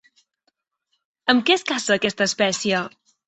Amb què es caça a aquesta espècie?